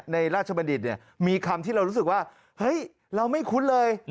ในราชบัณฑิตมีคำที่เรารู้สึกว่าเราไม่คุ้นเลย